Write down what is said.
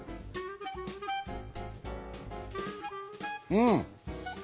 うん！